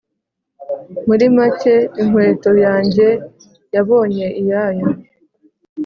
muri make inkweto yanjye yabonye iyayo